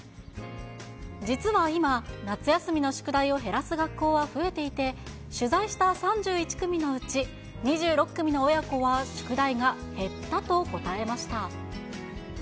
実は今、夏休みの宿題を減らす学校が増えていて、取材した３１組のうち、２６組の親子は宿題が減ったと答えました。